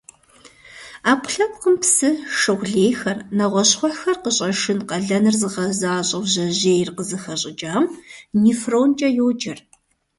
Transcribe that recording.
Ӏэпкълъэпкъым псы, шыгъу лейхэр, нэгъуэщӀ щхъухьхэр къыщӀэшын къалэныр зыгъэзащӀэу жьэжьейр къызыхэщӀыкӀам нефронкӀэ йоджэр.